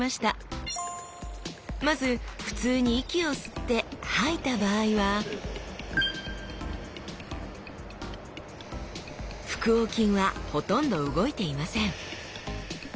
まず普通に息を吸って吐いた場合は腹横筋はほとんど動いていません